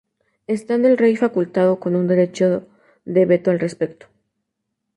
Estando el rey facultado con un derecho de veto al respecto.